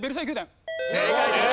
正解です。